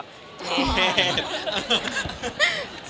เค้ก